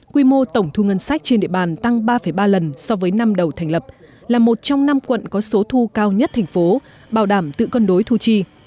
quy mô tổng thu ngân sách trên địa bàn tăng ba ba lần so với năm đầu thành lập là một trong năm quận có số thu cao nhất thành phố bảo đảm tự cân đối thu chi